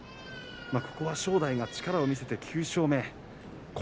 ここは正代は力を見せて９勝目。